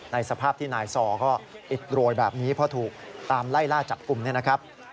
สภาพที่นายซอก็อิดโรยแบบนี้เพราะถูกตามไล่ล่าจับกลุ่มเนี่ยนะครับ